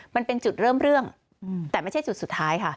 มันเป็นจุดเริ่มเรื่องแต่ไม่ใช่จุดสุดท้ายค่ะ